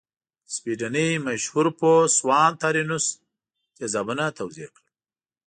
سویډنۍ مشهور پوه سوانت ارینوس تیزابونه توضیح کړل.